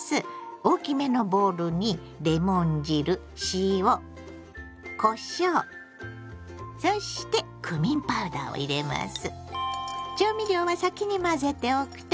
大きめのボウルにレモン汁塩こしょうそしてクミンパウダーを入れます。